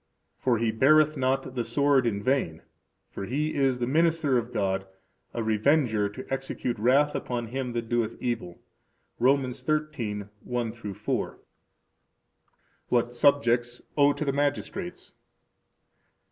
For he beareth not the sword in vain; for he is the minister of God, a revenger to execute wrath upon him that doeth evil. Rom. 13:1 4. What Subjects Owe to the Magistrates.